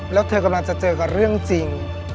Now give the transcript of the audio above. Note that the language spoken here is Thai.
แล้วเธอกำลังจะเจอกับเรื่องจริง